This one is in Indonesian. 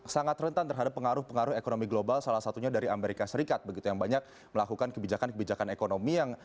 sangat rentan terhadap pengaruh pengaruh ekonomi global salah satunya dari amerika serikat begitu yang banyak melakukan kebijakan kebijakan ekonomi yang